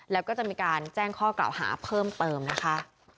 แล้วก็จะมีการแจ้งข้อกล่าวหาเพิ่มเติมนะคะ